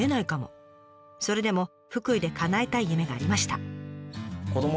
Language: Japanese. それでも福井でかなえたい夢がありました。